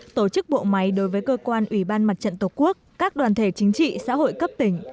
tổ chức bộ máy đối với cơ quan ủy ban mặt trận tổ quốc các đoàn thể chính trị xã hội cấp tỉnh